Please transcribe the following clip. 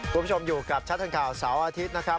คุณผู้ชมอยู่กับชัดทางข่าวเสาร์อาทิตย์นะครับ